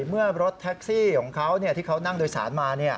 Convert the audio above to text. เมื่อรถแท็กซี่ของเขาที่เขานั่งโดยสารมา